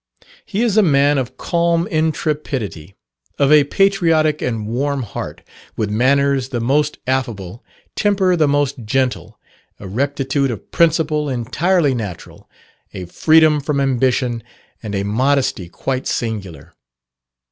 He is a man of calm intrepidity, of a patriotic and warm heart, with manners the most affable, temper the most gentle, a rectitude of principle entirely natural, a freedom from ambition, and a modesty quite singular.